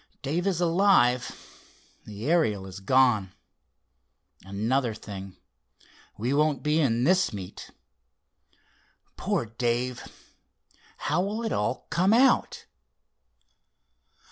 "Dave is alive—the Ariel is gone. Another thing; we won't be in this meet. Poor Dave! How will it all come out?"